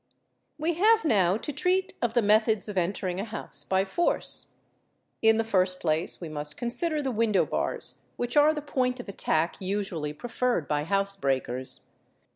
: We have now to treat of the methods of entering a house by force. In | the first place we must consider the window bars, which are the point of a tack usually preferred by housebreakers.